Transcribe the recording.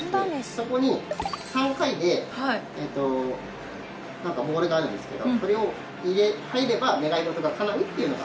そこに３回でえっと何かボールがあるんですけどそれを入れば願い事がかなうっていうのが。